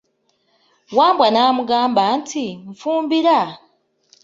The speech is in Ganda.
Wambwa namugamba nti, nfumbira.